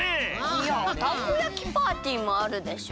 いやたこやきパーティーもあるでしょ！